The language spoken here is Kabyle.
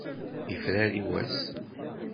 Yefrari wass.